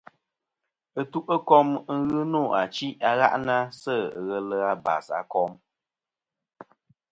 Ɨtu'kom ghɨ nô achi a gha'nɨ-a sɨ ghelɨ abas a kom.